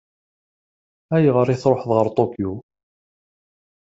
Ayɣer i tṛuḥeḍ ɣer Tokyo?